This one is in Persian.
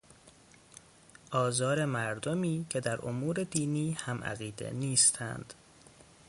آزار مردمی که در امور دینی هم عقیده نیستند